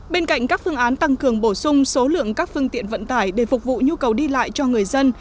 bên cạnh các phương án tăng cường bổ sung số lượng các phương tiện vận tải để phục vụ nhu cầu đi lại cho người dân